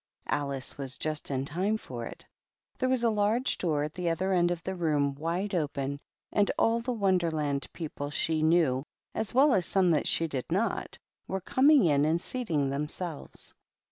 Alice was just in time for it. There was a large door at the other end of the room wide open, and all the Wonderland people she knew, as well as some that she did not, were coming in and seating themselves.